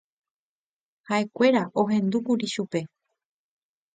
Ha'ekuéra ohendúkuri chupe.